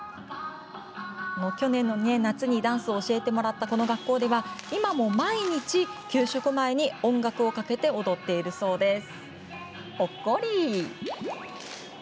去年の夏にダンスを教えてもらったこの学校では、今も毎日給食前に音楽をかけて踊っているんだそうです。